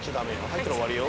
入ったら終わりよ。